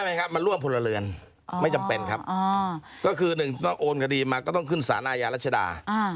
ไหมครับมันร่วมพลเรือนไม่จำเป็นครับก็คือหนึ่งต้องโอนคดีมาก็ต้องขึ้นสารอาญารัชดา